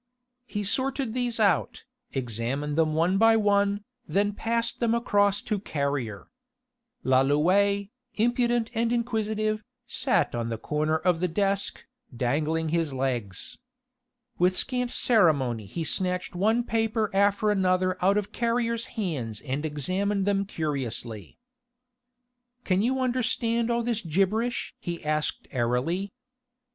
He sorted these out, examined them one by one, then passed them across to Carrier. Lalouët, impudent and inquisitive, sat on the corner of the desk, dangling his legs. With scant ceremony he snatched one paper after another out of Carrier's hands and examined them curiously. "Can you understand all this gibberish?" he asked airily.